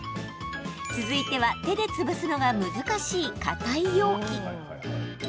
続いては、手で潰すのが難しいかたい容器。